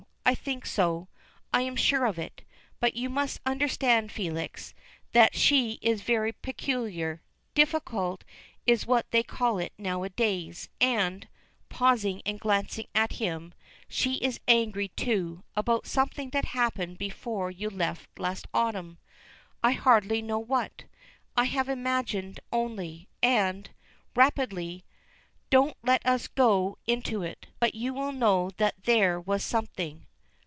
I think so I am sure of it. But you must understand, Felix, that she is very peculiar, difficult is what they call it now a days. And," pausing and glancing at him, "she is angry, too, about something that happened before you left last autumn. I hardly know what; I have imagined only, and," rapidly, "don't let us go into it, but you will know that there was something."